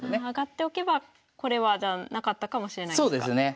上がっておけばこれはじゃあなかったかもしれないんですか？